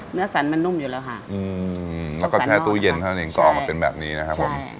เนื้อสันมันนุ่มอยู่แล้วค่ะแล้วก็แค่ตู้เย็นเท่านั้นเองก็ออกมาเป็นแบบนี้นะครับผม